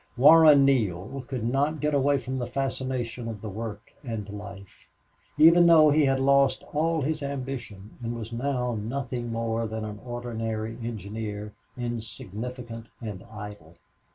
Warren Neale could not get away from the fascination of the work and life, even though he had lost all his ambition and was now nothing more than an ordinary engineer, insignificant and idle.